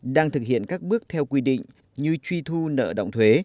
đang thực hiện các bước theo quy định như truy thu nợ động thuế